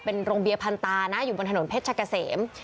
เป็นโรงเบียพันตานะอยู่บนถนนเพชรกะเสม